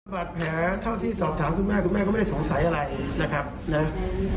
ป้าดแผลเผาที่ตอบถามคุณแม่คุณแม่ก็ไม่ได้สงสัยอะไร